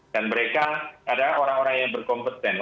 dan mereka adalah orang orang yang berkompetensi